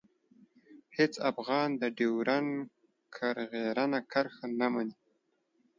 هېڅ افغان د ډیورنډ کرغېړنه کرښه نه مني.